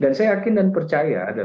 dan saya yakin dan percaya dalam pembukaan